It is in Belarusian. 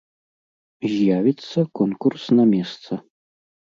З'явіцца конкурс на месца.